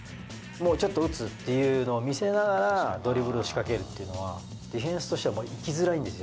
ちょっと打つっていうのを見せながら、ドリブルをしかけるっていうのは、ディフェンスとしては行きづらいんですよ。